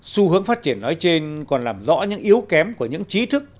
xu hướng phát triển nói trên còn làm rõ những yếu kém của những trí thức